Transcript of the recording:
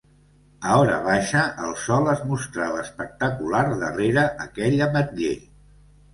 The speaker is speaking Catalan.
A hora baixa el sol es mostrava espectacular darrere aquell ametller.